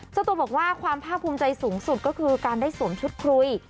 เจ้าตัวบอกว่าความภาคภูมิใจสูงสุดก็คือการได้สวมชุดคุย